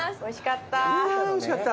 おいしかった。